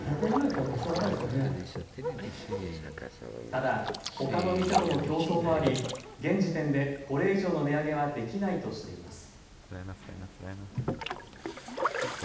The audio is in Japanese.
ただ、ほかの店との競争もあり現時点でこれ以上の値上げはできないとしています。